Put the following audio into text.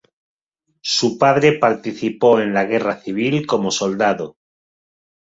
Su padre participó en la guerra Civil como soldado.